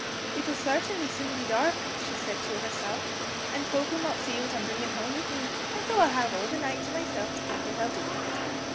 "It'll certainly be soon dark," she said to herself, "and folk'll not see what I'm bringing home with me, and so I'll have all the night to myself to think what I'll do with it.